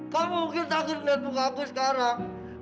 kamu mungkin takut ngeliat muka aku sekarang